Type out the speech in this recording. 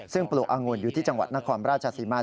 ซึ่งปลูกอังุ่นอยู่ที่จังหวัดนครราชสีมา